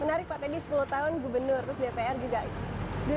menarik pak tadi sepuluh tahun gubernur terus dpr juga